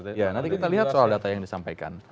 nanti kita lihat soal data yang disampaikan